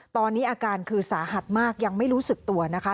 ตอนนี้อาการคือสาหัสมากยังไม่รู้สึกตัวนะคะ